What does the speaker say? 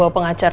aku mau tidur